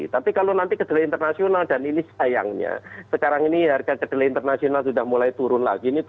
tapi kalau nanti kedelai internasional dan ini sayangnya sekarang ini harga kedelai internasional sudah mulai turun lagi